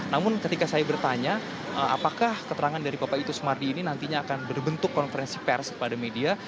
namun ketika saya bertanya apakah keterangan dari bapak ito sumardi ini nantinya akan berbentuk konferensi pers kepada media